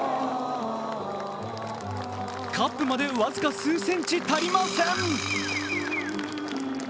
カップまで僅か数センチ足りません。